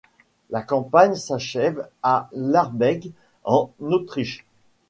La campagne s'achève à l'Arlberg, en Autriche.